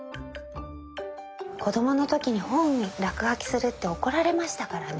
子供の時に本に落書きするって怒られましたからね。